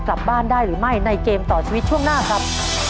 กลับบ้านได้หรือไม่ในเกมต่อชีวิตช่วงหน้าครับ